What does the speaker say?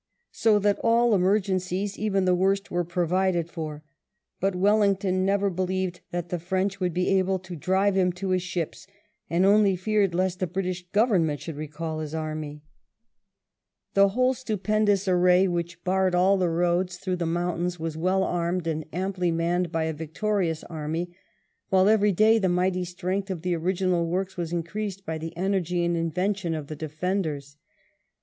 So that all emer gencies, even the worst, were provided for; but Wellington ne^er believed that the French would be able to drive him to his ships, and only feared lest the British Government should recall his army. The whole VII THE WINTER OF 1810 1811 141 stupendous array, which barred all the roads through the mountains, was well armed and amply manned by a victorious army, while every day the mighty strength of the original works was increased by the energy and invention of the defenders.